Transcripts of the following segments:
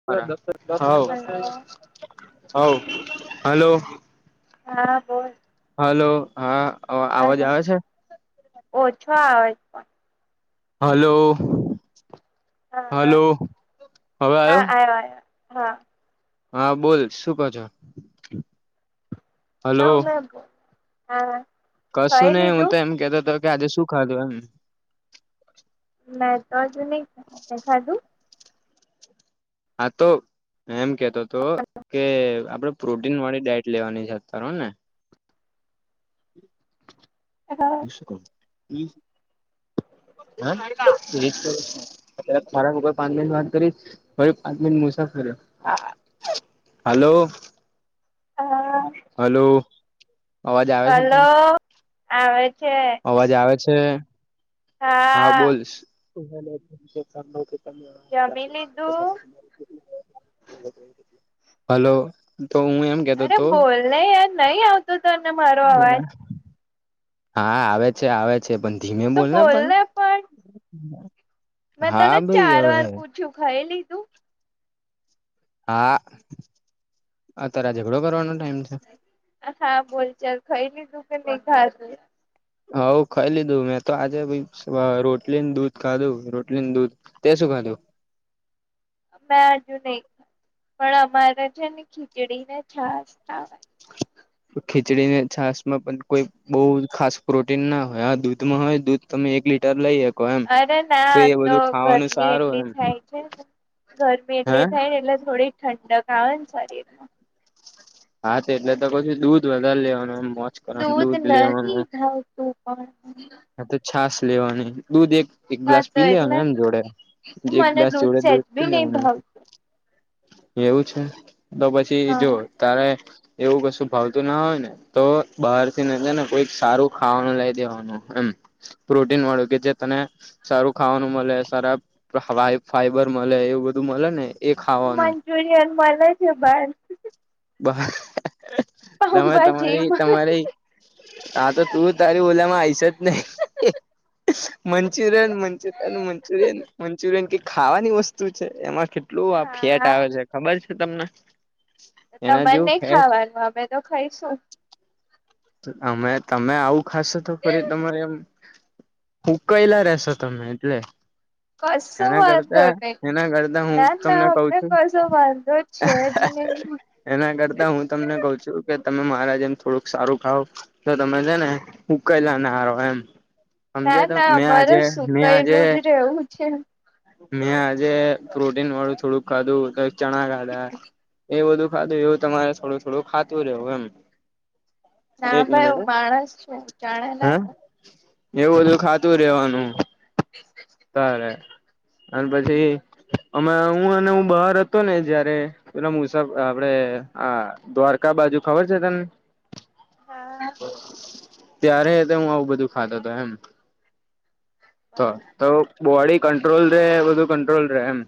હવ હલો હવ હલો હા બોલ. હલો હા અવાજ આવે છે. ઓ છો આવે છે પણ હલો હા હલો હવે આવ્યો. [unintelligible] હા. હા બોલ શું કો છો. હલો [unintelligible] હા. કશું ખાઈ નહી હું તો લીધું એમ કેતો હતો કે આજે શું ખાધું એમ. મેં તો આજે ની તે ખાધું હા તો એમ કેતો હતો કે આપડે પ્રોટીન વાળી ડાઈટ લેવાની છે અતાર હ ને હા. [inaudible] [unintelligible] ફરી પાંચ મિનટ મુસાફરી્યો હાલો. હા. હલો. અવાજ આવે છે તને હલો આવે છે અવાજ આવે છે. હા. હા બોલ. જમી લીધું હલો તો હું એમ કેતો અરે હતો બોલને યાર નહી આવતો તને મારો અવાજ. હા આવે છે આવે છે પણ ધીમે તો બોલને પણ. પણ મેં હા તને ભાઈ ચાર હવે વાર પૂછ્યું ખાઈ લીધું. હા આ તાર ઝઘડો કરવાનો ટાઈમ છે. [unintelligible] હ ખઈ લીધું મેં તો આજે રોટલીને દૂધ ખાધું રોટલીને દૂધ તે શું ખાધું? મેં હજુ નહી ખા પણ અમારે છે ને ખીચડી ને છાસ ખાવા ખીચડીને છાસ માં પણ કોઈ બહુ ખાસ પ્રોટીન ના હોય આ દૂધમાં હોય દૂધ તમે એક લીટર લઈએ અરે ના તો ગરમી સારું એટલી એમ થાય છે. ગરમી હે એટલે થાય ને એટલે થોડીક ઠંડક આવે ને શરીરમાં. હા છે એટલે તો કુછુ દૂધ વધારે લેવાનું મોસ્ત દૂધ નથી થાતું પણ હા તો છાશ લેવાની દૂધ એક એક હા ગ્લાસ તો પી લેવાનો એટલે એમ જોડે, એક મને ગ્લાસ જોડે સેજ દૂધ પી બી નહી લેવાનું. ભાવતું એવું છે તો પછી જો હા તારે એવું કશું ભાવતું ના હોય ને તો બહાર થી જ ને કોઈ સારું ખાવાનું લઈ દેવાનું એમ પ્રોટીન વાળું કે જે તને સારું ખાવાનું મળે સારા ફાઈબર મળે એવું બધું મળે ને એ ખાવાનું જુનિયનમાંલા છે બસ બ તમે પાઉભાજી તમારી તમારી હા તો તું તારી ઓલમાં આવીશ જ નહી મંચુરિયન મંચુરિયન મંચુરિયન મંચુરિયન કે ખાવાની વસ્તુ છે એમાં કેટલી કેટલું મળે આ ફેટ હા આવે છે ખબર છે તમને એના તમારે જેવું નહી ફેટ ખાવાનું અમે તો ખાઈશું અમે તમે આવું ખાશો તો ફરી તમારે એમ હું કયલા રસો તમે એટલે કસું એના વાંધો કરતા ન એના કરતા હું ના ના તમને કઉ અમને છું કોસો વાંધો છેજ ની. એના કરતા હું તમને કઉ છું કે તમે મારા જેમ થોડુંક સારું હઉ તો તમે છે ને ઉકેલાને હરો એમ હમજે ના તો ના મેં અમારે આજે મે આજે સુકાયેલું જ રહેવું છે મેં આજે પ્રોટીન વાળું થોડુંક ખાધું તો ચણા ખાધા એ બધું ખાધું એવું તમારે થોડું થોડું ખાતું રહ્યું એમ ના એક ભાઈ મિનિટ હું માણસ છું જાણે હ નાખ એવું બધું ખાતું રેવાનું [unintelligible] તલે અને પછી અમે હું અને હું બહાર હતો ને જયારે એ મુસા આપડે આ દ્વારકા બાજુ ખબર છે તને હા ત્યારે હું આવું બધું ખાધ હતો એમ તો બરાબર તો બોડી કંટ્રોલ રે બધું કંટ્રોલ રે એમ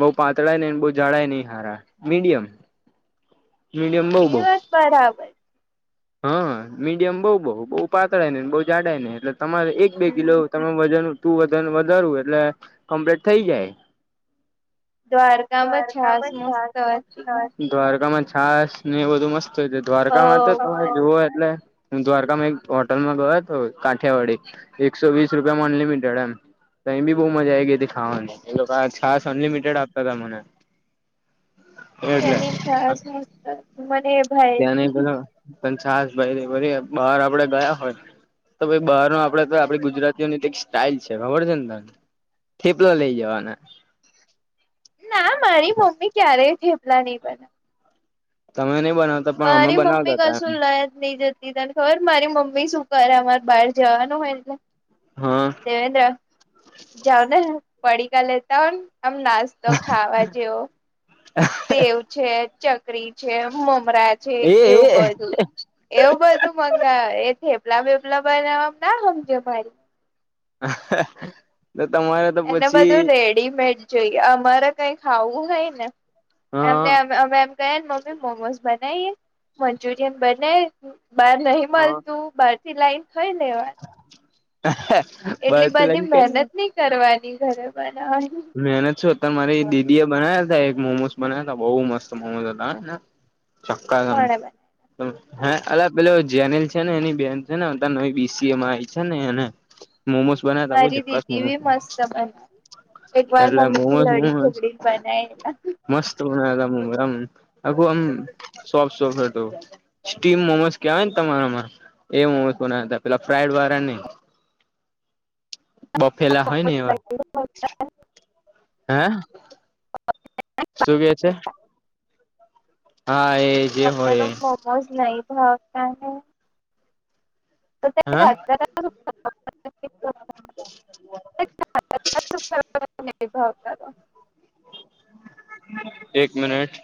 બઉ પાતળા નહી બ જાળાય નહી હારા મીડિયમ મીડિયમ બઉ એ બહ વાત બરાબર હા મીડિયમ બઉુ બઉુ બઉુ પાતળાય નેને બહુ જાડા ને એટલે તમારે એક બે હમ કિલો તમે વજન તું વજન વધારવું એટલે કમ્પ્લીટ થઇ જાય દ્વારકામાં દ્વારકા છાસ મા મસ્ત હતી [unintelligible] દ્વારકામાં છાસ ને એ બધુ મસ્ત હોય છે બઉ દ્વારકામાં તો તમે મસ્ત જુઓ એટલે દ્વારકામાં એક ટલમાં ગયો તો કાંઠિયાવાડી એકસો વીસ રૂપિયામાં અનલિમિટેડ એમ અહી બી બહુ મજા આ આવી ગઈ હતી ખાવાની એ છાસ અનલિમિટેડ આપતા તમને તેની મને ત્યાં ભાઈની ન પે પણ છાસ ભાઈ પ બહાર આપડે ગયા હોય તોઈ બહાર ન આપડે તો આપડી ગુજરાતીઓની સ્ટાઈઇલ છે ખબર છે ને તને થઠેપલો લઇ જવાના ના મારી મમ્મી ક્યારેય થેપલા નહી બને્ય તમે નહી બનાવતા પણ અમે મારી બનાવતા મમ્મી હતા એમ કસું લાયત નહી જય તને ખબર મારી મમ્મી શું કરે અમારે બહાર જવાનું હોય એટલે હ. દેવેન્દ્ર જાઓ ત પડી કા લેતા હોને આમ ના તો ખાવા જેવો સેવ છે ચકરી છે મમરા છે એ એવું એ બધું એવું બધું મંગાય એ થેપલા બેપલા બનાવવા ના હમજે ભાય [unintelligible] તો તમારા એને બધું રેડીમેડ જોઈએ અમારે કઈ ખાવું નઈ ને એમ હા અમે એમ કયને મમ્મી મોમોસ બનાવીએ મંચુરિયન બનાય બહાર નહી મલતું બહારથી લાઈન થઈ ને વા હ. એટલી બધી મહેનત ની કરવાની ઘરે બનાવા મેહનત શું તમારી દીદીઓ બના્યા તા એક મોમોસ બના્યાતા બહુ મસ્ત મોમોસ હતાને ચક્કાસ કોણે બનાવે હા અ પે જેનીિલ છે ને એની બેહેન છે ને અ ન બી સીએમાય છે, ને એને મોમોસ બનાયા તા બહુ મારી જક્કાસ દીદી મોમોસ ભી મસ્ત બને એક વાર એટલે મમ્મીથી મોમોસ લડી મોમોસ ઞગડીન [unintelligible] મસ્ત બનાયા હતામ આખું આમ સોફ સોફ હતો. સ્ટીમ મોમોસ કેવાય ને તમારામાં એ મોમોસ બન્યા તા પેલા ફ્રાઈડ વાળા નઈ બફેલા હોય ને એવા. [unintelligible] હે શું કે છે હા એ જે તમને તો હોય એ મોમોસ નઈ ભાવતાને હા [unintelligible] [unintelligible] [unintelligible] એક મિનિટ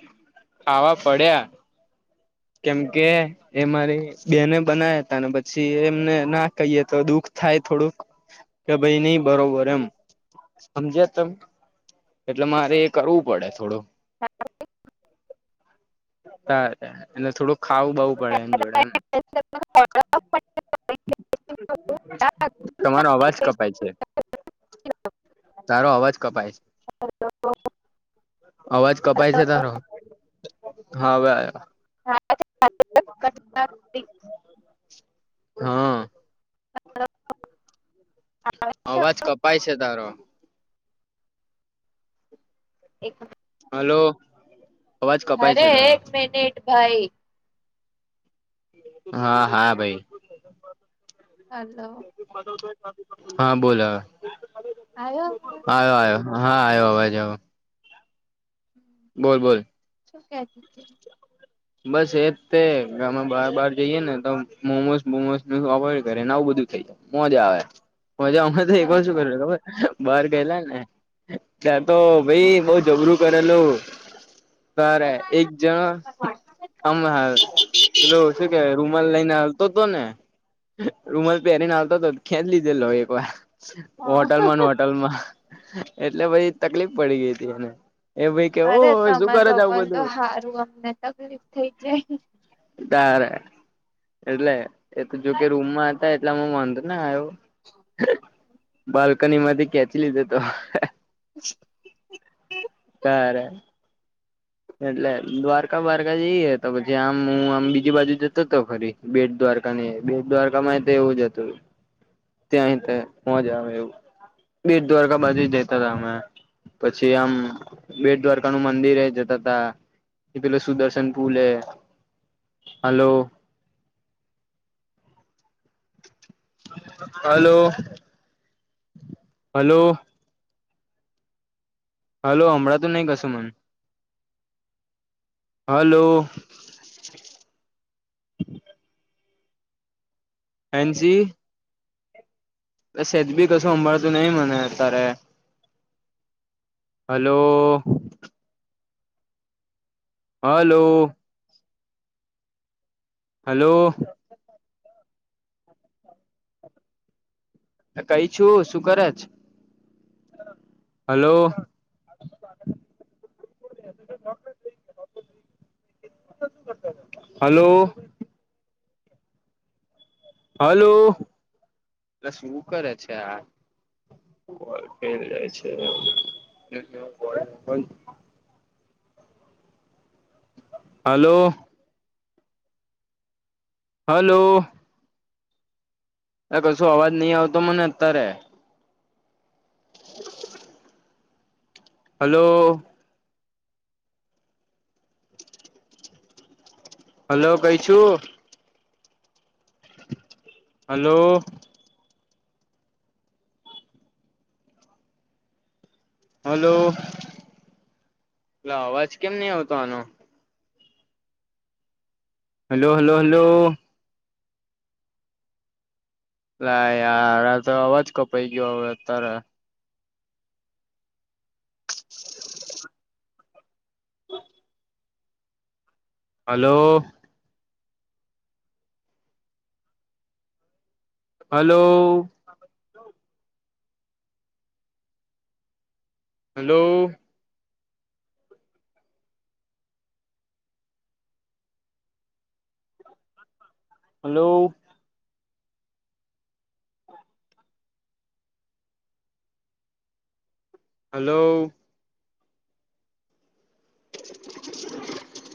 ખાવા પડ્યા કેમ કે એ મારી બેને બનાયા તા ને પછી એમને ના કહીએ તો દુઃખ થાય થોડુંક. કે ભાઈ નહી બરોબર એમ હમજ્યા તમે એટલે મારે એ કરવું પડે થોડું. [inaudible] [unintelligible] એટલે થોડુંક ખાવું બાઉ પડે એની જોડે એમ. એકસેપ્ટ હા તમારો અવાજ કપાય છે. તારો અવાજ કપાય છે. અવાજ કપાય છે તારો હા હવે [inaudible] હ અ. અવાજ કપાય છે તારો. [inaudible] હલો. અવાજ કપાય અરે છે તારો એક મિનિટ ભાઈ હા હા ભઈ. હાલો. હા બોલ હવે આવ્યો અવાજ આયો આયો. હા આવ્યો આવજ આવ્યો હમ. બોલ બોલ. શું કેતી તી. બસ એજ તે કે અમે બાર બાર જઈે ને તો મોમોસ બોમોસ ને અવોઈડ કરીયે ને આવું બધું ખયે. મોજા આવે મજા અમે તો એક વાર શું બસ કરયુ તું ખબર બાર ગયેલાને. ત્યાં તો ભાઈ બઉ ઝબરું કરેલું. તારે એક જણ. આમર મ પેલો શું કેવાય રૂમાલ લઈને હાલતો તો ને. રૂમાલ પેરીને આવતો તો ત ખેચ લીધેલો એક વાર. હા હોટલમાં ન હોટલમાં એટલે પછી તકલીફ પડી ગઈ હતી એને. એ ભાઈ કે ઓ અરે શું તમાર કરે છે આવું લોકોને તો બધું સારું અમને તકલીફ થઇ જાય. તારે એટલે એ તો જોકે રૂમમાં હતા. એટલામાં વાંધો ને આવ્યો બાલ્કની માંથી ખેચી લીધો તો. હ! [inaudible] તારે. એટલે દ્વારકા બારકા જઈએ તો પછી આમ હું આમ બીજી બાજુ જતો તો ફરી. બેટ દ્વારકા ને એ બેટ દ્વારકામાં તેય એવું જ હતું. ત્યાની ત્યાં મોજા આવે એવું બેટ દ્વારકા બાજુય જતા તા અમે. પછી આમ બેટ દ્વારકા નું મંદિર આઇ જતુ. એ પેલો સુદર્શન પુલે હલો. હલો. હલો. હલો સમભડાતુ નહીં કસુ મને હલો. એનસી. સેજ બી કશું સંંભાળતું નહિ મને તારે. હલો. હલો. હલો. કઈ છું શું કરે છ? હલો. હલો. હલો અલા શું કરે છે આ? બોલ ખેલ જાય છે? હલો. હલો. કશું અવાજ નહી આવતો મને અત્યારે. [inaudible] હલો. હલો કઈ છું? હલો. હલો અલા અવાજ કેમ નઈ આવતો આનો. Hello hello hello. લા યાર આતો અવાજ કપાઈ ગયો હવે અત્યારે. [inaudible] હા! [inaudible] Hello. Hello. Hello. Hello. [inaudible] Hello. [inaudible]